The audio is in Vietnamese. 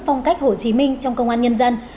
phong cách hồ chí minh trong công an nhân dân